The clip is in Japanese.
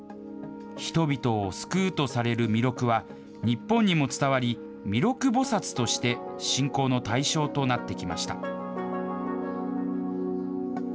人々を救うとされる弥勒は、日本にも伝わり、弥勒菩薩として信仰の対象となってきました。